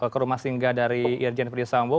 ke rumah singgah dari irjen ferdisambo